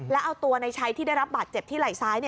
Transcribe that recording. แล้วเอาตัวในชัยที่ได้รับบาดเจ็บที่ไหล่ซ้าย